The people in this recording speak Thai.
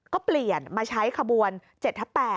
ก็เปลี่ยนมาใช้ขบวน๗ทับ๘